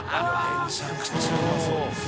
めちゃくちゃうまそう。